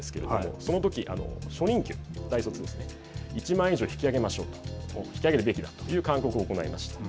そのとき初任給、大卒１万円以上引き上げましょうと引き上げるべきだという勧告を行いました。